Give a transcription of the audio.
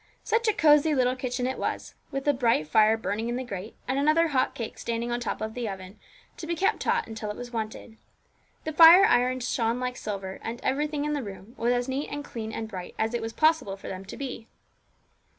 Such a cosy little kitchen it was, with a bright fire burning in the grate, and another hot cake standing on the top of the oven, to be kept hot until it was wanted. The fireirons shone like silver, and everything in the room was as neat and clean and bright as it was possible for them to be.